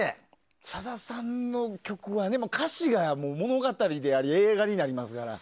さださんの曲は、歌詞が物語であり映画になりますから。